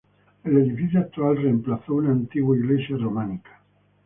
El edificio actual reemplazó una antigua iglesia románica.